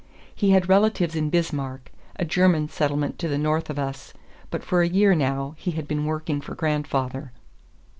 He had relatives in Bismarck, a German settlement to the north of us, but for a year now he had been working for grandfather.